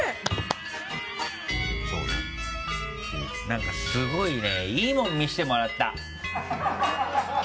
何かすごいねいいもん見せてもらった！